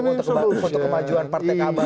untuk kembali untuk kemajuan partai kabar